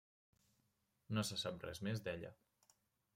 No se sap res més d'ella.